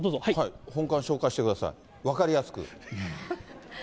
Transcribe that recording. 本館紹介してください、分かりやすく。